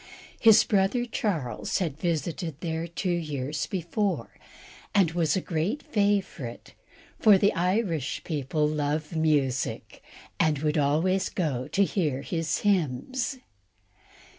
His brother Charles had visited there two years before, and was a great favourite, for the Irish people love music, and would always go to hear his hymns.